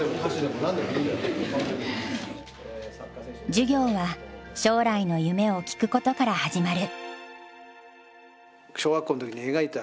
授業は将来の夢を聞くことから始まる。